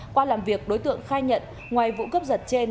qua làm việc đối tượng khai nhận ngoài vụ cướp giật trên